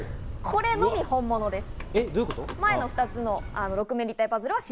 これのみ本物です。